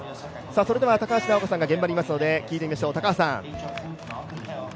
それでは高橋尚子さんが現場にいますので、聞いてみましょう。